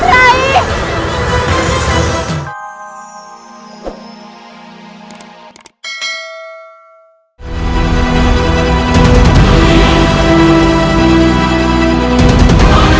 ayah anda prabu